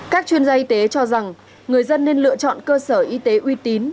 các chuyên gia y tế cho rằng người dân nên lựa chọn cơ sở y tế uy tín